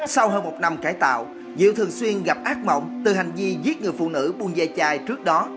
sau hơn một năm cải tạo diệu thường xuyên gặp ác mộng từ hành vi giết người phụ nữ buôn dây chai trước đó